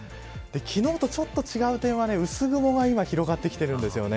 昨日とちょっと違う点は薄雲が今広がってきているんですよね。